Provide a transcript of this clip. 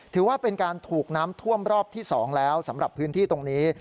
ถือว่าเป็นการถูกน้ำท่วมรอบที่๒แล้วสำหรับพื้นที่ตรงนี้